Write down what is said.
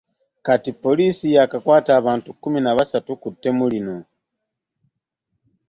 Kati poliisi yaakakwata abantu kkumi na basatu ku ttemu lino.